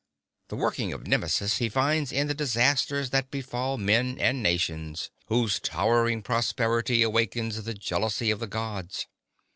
The working of Nemesis he finds in the disasters that befall men and nations whose towering prosperity awakens the jealousy of the gods.